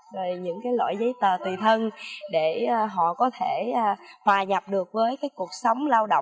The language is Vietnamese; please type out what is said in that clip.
rồi những cái loại giấy tờ tùy thân để họ có thể hòa nhập được với cái cuộc sống lao động